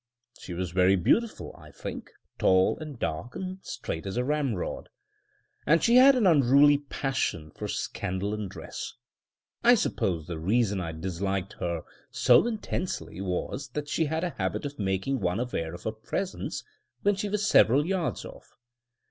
She was very beautiful, I think — tall, and dark, and straight as a ram rod — and she had an unruly passion for scandal and dress. I suppose the reason I disliked her so intensely was, that she had a habit of making one aware of her presence when she was several yards off.